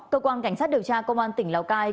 cơ quan cảnh sát điều tra công an tỉnh lào cai